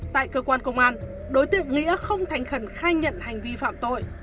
tại cơ quan công an đối tượng nghĩa không thành khẩn khai nhận hành vi phạm tội